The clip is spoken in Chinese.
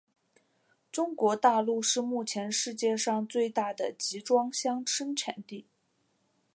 中国大陆是目前世界上最大的集装箱生产地。